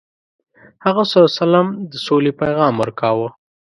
هغه ﷺ د سولې پیغام ورکاوه.